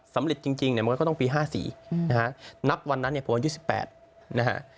สำเร็จจริงมันก็ต้องปี๕๔นะครับนับวันนั้นผมวัน๒๘นะครับ